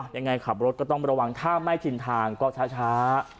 ยังไงขับรถก็ต้องระวังถ้าไม่ชินทางก็ช้า